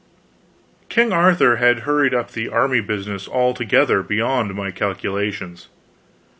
King Arthur had hurried up the army business altogether beyond my calculations.